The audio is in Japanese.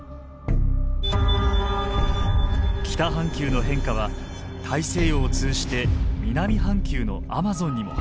北半球の変化は大西洋を通じて南半球のアマゾンにも波及します。